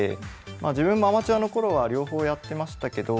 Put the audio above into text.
自分もアマチュアの頃は両方やってましたけど。